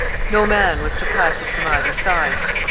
No man was to pass it from either side.